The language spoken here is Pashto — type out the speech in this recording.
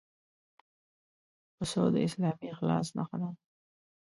پسه د اسلامي اخلاص نښه ده.